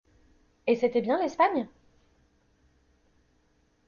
Et c'était bien l'Espagne?